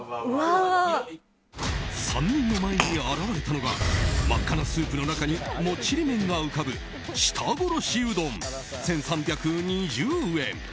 ３人の前に現れたのが真っ赤なスープの中にもっちり麺が浮かぶ舌殺しうどん、１３２０円。